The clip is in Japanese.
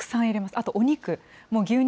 あとお肉。